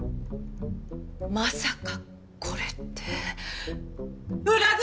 まさかこれって裏口！？